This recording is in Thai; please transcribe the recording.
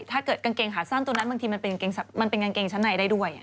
กางเกงขาสั้นตัวนั้นบางทีมันเป็นกางเกงชั้นในได้ด้วย